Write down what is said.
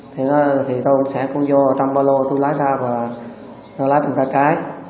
thì tôi sẽ cũng vô trong ba lô tôi lái ra và lái từng ta cái